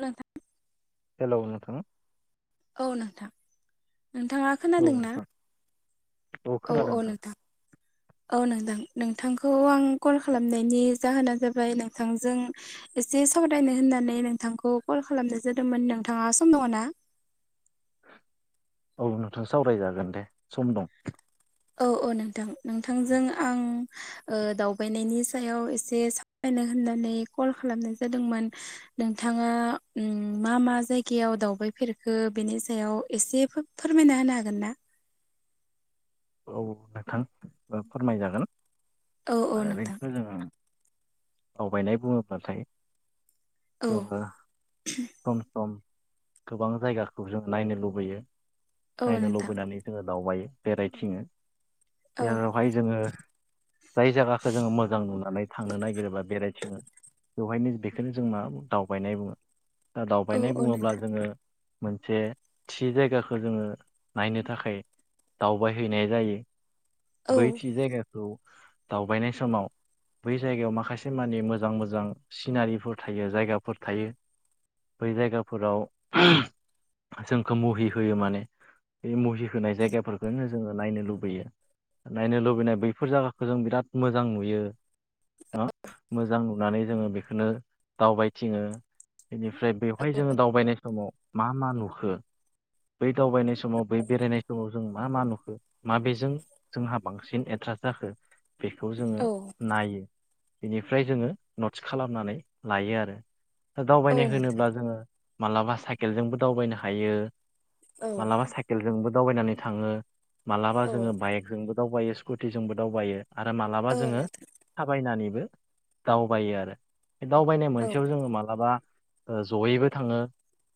नोंथां। हेलौ नोंथां। औ नोंथां नोंथाङा औ खोनादों ना? नोंथां औ औ नोंथां। औ नोंथां नोंथांखौ आं कल खालामनायनि जाहोना जाबाय नोंथांजों एसे सावरायनो होननानै नोंथांखौ कल खालामनाय जादोंमोन नोंथाङा सम दङ ना? औ नोंथां सावरायजागोन दे सम दं। औ औ नोंथां नोंथांजों आं। दावबायनायनि सायाव एसे सावरायनो होननानै कल खालामनाय जादोंमोन। नोंथाङा मा मा जायगायाव दावबायफेरखो बेनि सायाव एसे फो फोरमायना होनो हागोन ना? औ नोंथां फोरमायजागोन औ औ [unintelligible] नोंथां जोङो दावगायनाय बुङोब्लाथाय औ जोङो सम सम गोबां जायगाखौ जों नायनो लुबैयो औ नायनो नोंथां लुबैनानै जोङो दावबायो बेरायथिङो औ जेरावहाय जोङो जाय जायगाखो जोङो मोजां नुनानै थांनो नागिरोबा बेरायथिङो बेवहायनो बेखोनो जों मा दावबायनाय बुङो दा औ दावबायनाय औ बुङोब्ला नोंथां जोङो मोनसे थि जायगाखौ जोङो नायनो थाखाय दावबाय हैैनाय जायो बै औ थि जायगाखौ दावबायनाय समाव बै जायगायाव माखासे मानि मोजां मोजां सिनारिफोर थायो जायगाफोर थायो। बै जायगाफोराव जोंखौ मुहि होयो माने बे मुहि होनाय जायगाफोरखौ नो जोङो नायनो लुबैयो नायनो लुबैनाय बैफोर जायगाखो जों बिराद मोजां नुयो। मोजां नुनानै जोङो बेखोनो दावबायथिङो। बेनिफ्राय बेवहाय जोङो दावबायनाय समाव मा मा नुखो बै दावबायनाय समाव बै बेरायनाय समाव जों मा मा नुखो माबेजों जोंहा बांसिन एट्रास जाखो बेखौ जोङो औ नायो बेनिफ्राय जोङो नट्स खालामनानै लायो आरो ‌। औ दावबायनाय नोंथां होनोब्ला जोङो मालाबा साइकेलजोंबो दावबायनो हायो। औ मालाबा साइकेलजोंबो दावबायनानै थाङो मालाबा औ जोङो बाइक जोंबो दावबायो स्कुटिजोंबो दावबायो आरो मालाबा औ जोङो नोंथां थाबायनानैबो दावबायो आरो बे दावबायनाय औ मोनसेयाव जोङो मालाबा जयैबो थाङो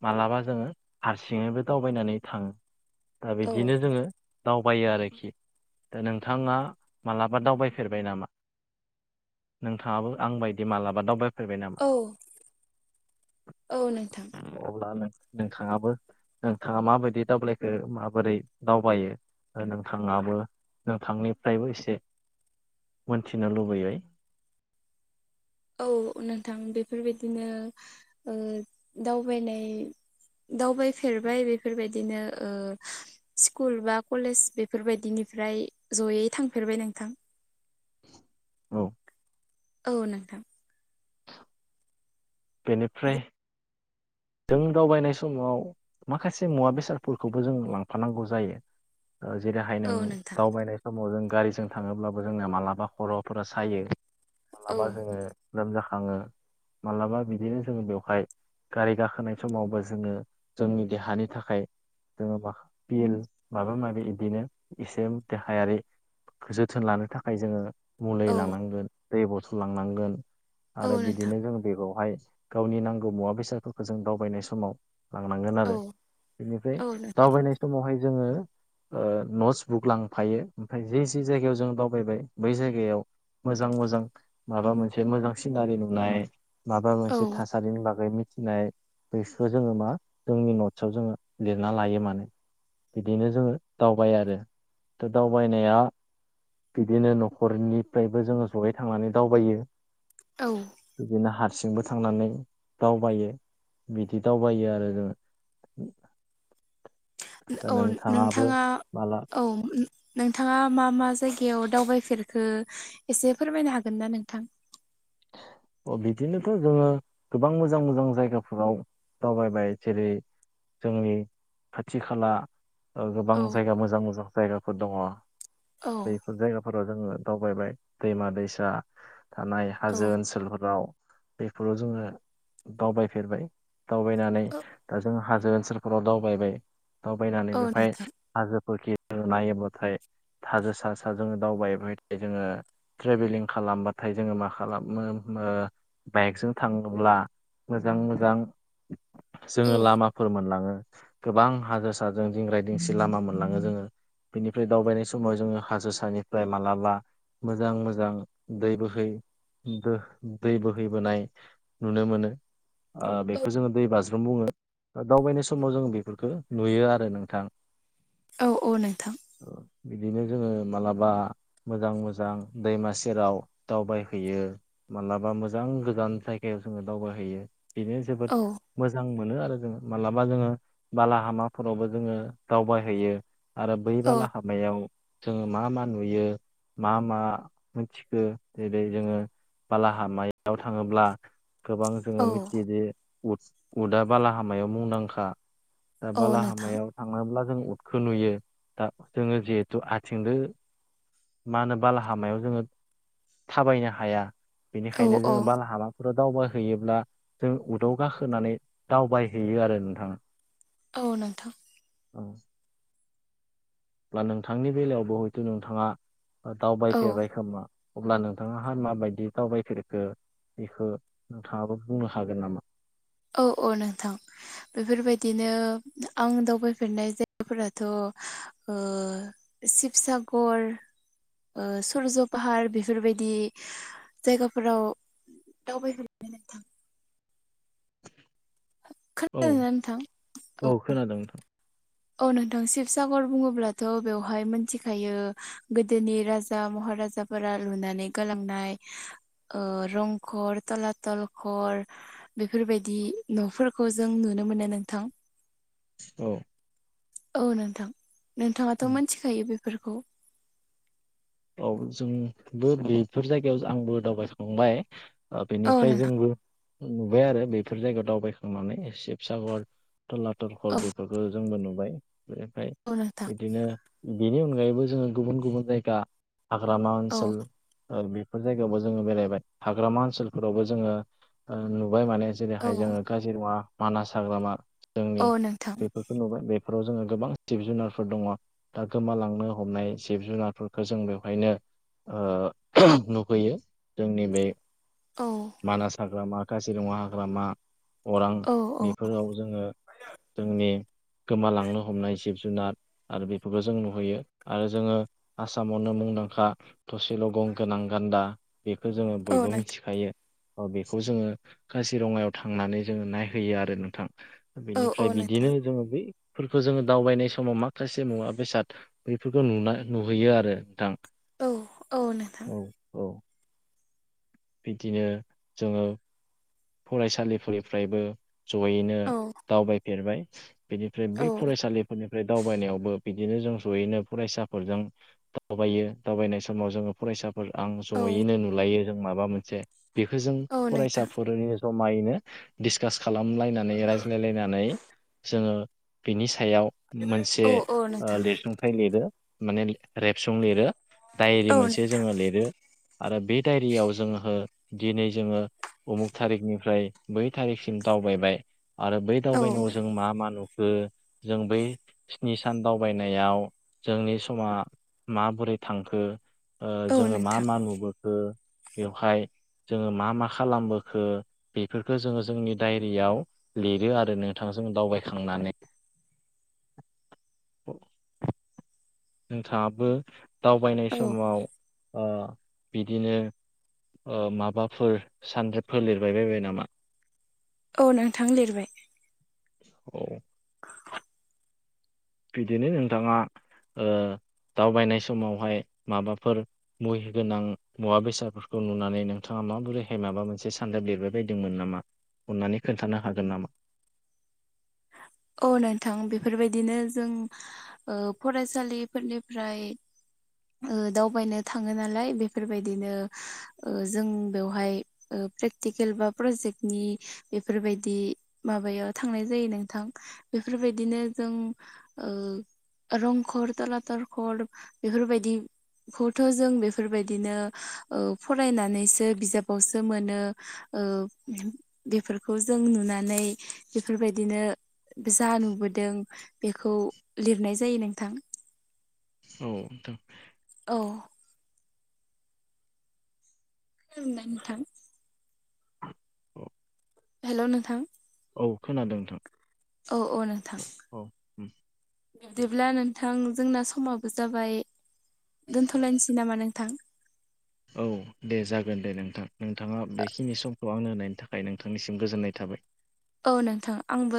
मालाबा जोङो हारसिङैबो दावबायनानै थाङो दा औ बिदिनो जोङो दावबायो आरोखि दा नोंथाङा मालाबा दावबायफेरबाय नामा? नोंथाङाबो आं बायदि मालाबा दावबायफैबाय नामा? औ औ नोंथां अब्ला नोंथाङाबो नोंथाङा माबायदि दावबायखो माबोरै? दावबायो नोंथाङाबो नोंथांनिफ्रायबो एसे मोनथिनो लुबैयै औ नोंथां बेफोरबायदिनो ओ दावबायनाय दावबायफेरबाय बेफोरबायदिनो ओ स्कुल बा कलेज बेफोरबायदिनिफ्राय जयै थांफेरबाय नोंथां। औ औ नोंथां बेनिफ्राय जों दावबायनाय समाव माखासे मुवा बेसादफोरखौबो जों लांफानांगौ जायो। जेरैहाय औ नों नोंथां दावबायनाय समाव जों गारिजों थाङोब्लाबो जोंनाया मालाबा खर'फोरा सायो। नङा औ बा जों लोमजाखाङो मालाबा बिदिनो जोङो बेवहाय गारि गाखो थानाय समावबो जोङो जोंनि देहानि थाखाय जोङो मा बिल माबा माबि बिदिनो एसे देहायारि जोथोन लानो थाखाय जोङो मुलि औ लांनांगोन दै बथल लांनांगोन औ आरो नोंथां बिदिनो जों बे बेवहाय गावनि नांगौ मुवा बेसादफोरखौ जों दावबायनाय समाव लांनांगोन औ आरो बेनिफ्राय औ नोंथां दावबायनाय समावहाय जोङो ओ नटस बुक लांफायो ओमफ्राय जि जि जायगायाव जों दावबाय बै जायगायाव मोजां मोजां माबा मोनसे मोजां सिनारि नुनाय माबा औ मोनसे थासारिनि बागै मिथिनाय बेसो जोङो मा जोंनि नटसआव जोङो लिरना लायो माने बिदिनो जोङो दावबाय आरो दा दावबायनाया बिदिनो न'खरनिफ्रायबो जोङो जयै थांनानै दावबायो औ बिदिनो हारसिंबो थांनानै दावबायो बिदि दावबायो आरो जों औ नोंथाङाबो नोंथाङा माला औ नोंथाङा मा मा जायगायाव दावबायफेरखो एसे फोरमायनो हागोन ना नोंथां अ बिदिनोथ' जोङो गोबां मोजां मोजां जायगाफोराव दावबायबाय जेरै जोंनि खाथि खाला गोबां औ जायगा मोजां मोजां जायगाफोर दङ बै औ जायगाफोराव जोङो दावबायबाय दैमा दैसा थानाय औ हाजो ओनसोलफोराव बेफोराव जोङो दावबायफेरबाय दावबायनानै औ दा जों हाजो ओनसोलफोराव दावबायबाय दावबायनानै औ बेवहाय नोंथां हाजोफोरखि नायोब्लाथाय हाजो सा सा जोङो दावबायबाय जोङो ट्रेभेलिं खालामबाथाय जोङो माखासे खालामो ओ बाइकजों थाङोब्ला मोजां मोजां औ जोङो लामा फोर मोनलाङो गोबां हाजो साजों दिंगराय दिंसि लामा मोनलाङो जोङो बेनिफ्राय दावबायनाय समाव जोङो हाजो सानिफ्राय मालाबा मोजां मोजां दै बोहै दो दै बोहैबोनाय नुनो मोनो बेखौ जोङो दै बाज्रुम बुङो दावबायनाय समाव जोङो बेफोरखौ नुयो आरो नोंथां औ औ नोंथां बिदिनो जोङो माब्लाबा मोजां मोजां दैमा सेराव दावबाय हैयो मालाबा मोजां गोजान जायगायाव जोङो दावबाय हैैयो बेनो औ जोबोद मोजां मोनो आरो जोङो मालाबा जोङो बालाहामाफोरावबो जोङो दावबायहैयो आरो बै औ बालाहामायाव जोङो मा मा नुयो मा मा मोनथिखो बे जोङो बालाहामायाव थाङोब्ला गोबां जोङो औ मिथियोदि उद उदआ बालाहामायाव मुंदांखा दा औ नोंथां बालाहामायाव थाङोब्ला जों उदखौ नुयो दा जोङो जिहेथु आथिंदो मा होनो बालाहामायाव जोङो थाबायनो हाया औ बेनिखायनो औ जोङो बालाहामा फोराव दावबायहैयोब्ला जों उदाव गाखोनानै दावबायहैयो आरो नोंथाङा औ नोंथां औ बा नोंथांनि बेलायावबो हयथ' नोंथांङा औ दावबायफेरबाय खोमा अब्ला नोंथांङा हा माबायदि दावबायफेरखो बेखौ नोंथांङाबो बुंनो हागोन नामा औ औ नोंथां बेफोरबायदिनो आं दावबायफेरनाय जायगाफोराथ' शिबसागर सुरज' फाहार बेफोरबायदि जायगाफोराव दावबायफेरबाय नोंथां औ खोनादोंना नोंथां औ खोनादों नोंथां औ नोंथां शिबसागर बुंङोब्लाथ' बेवहाय मिथिखायो गोदोनि राजा महाराजाफोरा लुनानै गालांनाय रंगर थलाथलखर बेफोरबायदि न'फोरखौ जों नुनो मोनो नोंथां औ औ नोंथां नोंथांङाथ' मिथिखायो बेफोरखौ औ जोंबो बेफोर जायगायाव आंबो दावबायखांबाय औ बेनिफ्राय नोंथां जोंबो नुबाय आरो बेफोर जायगायाव दावबायखांनानै शिबसागर तलातल घर बेफोरखौ जोंबो नुबाय बेनिफ्राय औ औ नोंथां बिदिनो बेनि अनगायैबो जोंङो गुबुन गुबुन जायगा हाग्रामा औ ओनसोल बेफोर जायगायावबो जोंङो बेरायबाय हाग्रामा ओनसोलफोरावबो जोंङो नुबाय माने औ जेरैहाय जोंङो काजिरङा मानास हाग्रामा जोंनि औ नोंथां बेफोरखौ नोबाय बे फोराव जोंङो गोबां जिब जुनारफोर दङ दा गोमालांनो हमनाय जिब जोनारफोर खौ जों बेवहायनो नुुबैयो जोंनि बे औ मानास हाग्रामा काजिरङा हाग्रामा अरां औ औ बेफोराव जोंङो जोंनि गोमालांनो हमनाय जिब जोनार आरो बेफोरखौ जों नोहैयो आरो जोंङो आसामावनो मुंदांखा थसेल' गं गोनां गान्दा बेखौ जोंङो औ बयबो नोंथां मिथिखायो बेखौ जोंङो काजिरङायाव थांनानै जोङो नायहैयो आरो नोंथां औ औ बिनिफ्राय बिदिनो नोंथां जोंङो फोरखौ जोंङो दावबायनाय समाव माखासे मुवा बेसाद बेैफोरखौ नोनाय नोहैयो आरो नोंथां औ औ नोंथां औ औ बिदिनो जोंङो फरायसालिफोरनिफ्रायबो जयैनो औ दावबायफेरबाय बिनिफ्राय बे औ फरायसालिफोरनिफ्राय दावबायनायावबो बिदिनो जों जयैनो फरायसाफोरजों दावबायो दावबायनाय समाव जोंङो फरायसा आं औ जयैनो नोलायो जों माबा मोनसे बेखौ जों औ फरायसा नोंथां बेनि जमायैनो डिसकास खालामलायनानै रायज्लायलायनानै जोंङो बिनि सायाव मोनसे औ औ नोंथां लिरसुंथाय लिरो माने रेबसुं लिरो दायरि औ मोनसे नोंथां जोङो लिरो आरो बे दायरियाव जोंङो दिनै जोंङो उमुक थारिखनिफ्राय बै थारिखसिम दावबाय आरो बै औ दावबायनायाव जों मा मा नोबाय जों बै स्नि सान दावबायनायाव जोंनि समा माबोरै थांखो औ जोंङो मा नोंथां मा नोबोखो बेवहाय जोङो मा मा खालामबोखो बेफोरखौ जोंङो जोंनि डायरियाव लिरो आरो नोंथां जों दावबायखांनानै नोंथांङाबो दावबायनाय औ समाव बिदिनो माबाफोर सानरेबफोर लिरबाय बायबाय नामा औ नोंथां लिरबाय औ [inaudible] बिदिनो नोंथाङा दावबायनाय समावहाय माबाफोर मुहिगोनां मुवा बेसादफोरखौ नुनानै नोंथाङा माबोरैहाय माबा मोनसे सानरेब लिरबाय बायदोंमोन नामा अननानै खोन्थानो हागोन नामा औ नोंथां बेफोरबायदिनो जों फरायसालिफोरनिफ्राय दावबायनो थाङो नालाय बेफोरबायदिनो जों बेवहाय प्रेक्टिकेल बा प्रजेक्टनि बेफोरबायदि माबायाव थांनाय जायो नों थां बेफोरबायदिनो जों रंघर तलातल घर बेफोरबायदि खौथ' जों बेफोरबायदिनो फरायनानैसो बिजाबावसो मोनो बेफोरखौ जों नुनानै बेफोरबायदिनो जा नोबोदों बेखौ लिरनाय जायो नोंथां औ नोंथां। औ। नोंथां। औ। हेल' नोंथां। औ खोनादों नोंथां। औ औ नोंथां। औ उम बिब्दिब्ला नोंथां जोंना समाबो जाबाय दोनथ'लायनोसै नामा नोंथां। औ दे जागोन दे नोंथां नोंथाङा बेखिनि समखौ आंनो होनायनि थाखाय। ना नोंथांनिसिम गोजोननाय थाबाय। औ नोंथां आंबो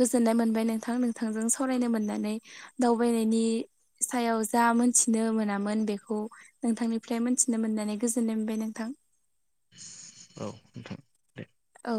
गोजोननाय मोनबाय नोंथां नोंथांजों सावरायनो मोननानै दावबायनायनि सायाव जा मोनथिनो मोनामोन बेखौ नोंथांनिफ्राय मोनथिनो मोननानै गोजोननाय मोनबाय नोंथां। औ नोंथां। औ।